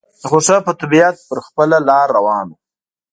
خو په ښه طبیعت پر خپله لار روان و.